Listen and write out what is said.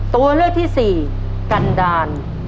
ตัวเลือกที่๔กรรดา